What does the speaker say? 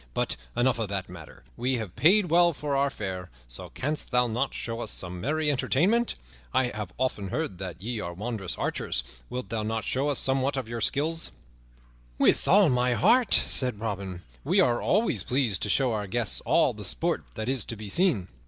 But enough of that matter. We have paid well for our fare, so canst thou not show us some merry entertainment? I have oft heard that ye are wondrous archers; wilt thou not show us somewhat of your skill?" "With all my heart," said Robin, "we are always pleased to show our guests all the sport that is to be seen.